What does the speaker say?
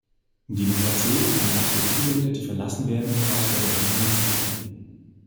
Die Migration kann auch für die Länder, die verlassen werden, Herausforderungen mit sich bringen.